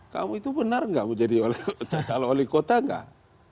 kamu itu benar nggak mau jadi calon wali kota nggak